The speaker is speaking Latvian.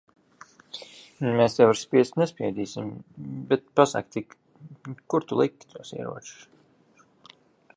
Mēs tev ar spiest nespiedīsim. Bet pasaki tik, kur tu liki tos ieročus?